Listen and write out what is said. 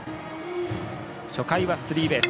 初回はスリーベース。